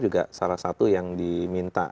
juga salah satu yang diminta